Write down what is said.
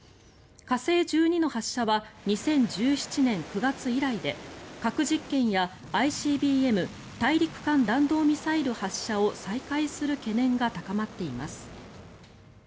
火星１２の発射は２０１７年９月以来で核実験やＩＣＢＭ・大陸間弾道ミサイル発射を再開する懸念が高まっています。